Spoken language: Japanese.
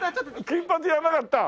金髪やらなかった？